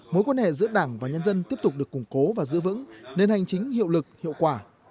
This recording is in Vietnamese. mối quan hệ giữa đảng và nhân dân tiếp tục được củng cố và giữ vững nên hành chính hiệu lực hiệu quả